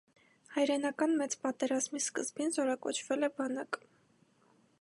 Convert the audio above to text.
Հայրենական մեծ պատերազմի սկզբին զորակոչվել է բանակ։